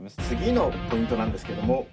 次のポイントなんですけども。